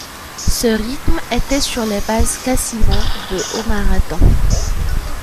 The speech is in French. Ce rythme était sur les bases quasiment de au marathon.